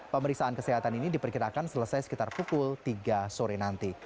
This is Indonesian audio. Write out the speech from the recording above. pemeriksaan kesehatan ini diperkirakan selesai sekitar pukul tiga sore nanti